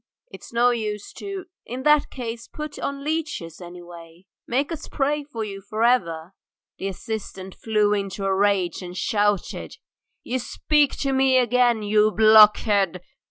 "It's no use to " "In that case put on leeches, anyway! Make us pray for you for ever." The assistant flew into a rage and shouted: "You speak to me again! You blockhead.